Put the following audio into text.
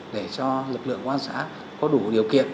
để cho lực lượng công an xã có đủ điều kiện